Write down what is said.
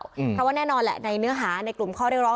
เพราะว่าแน่นอนแหละในเนื้อหาในกลุ่มข้อเรียกร้อง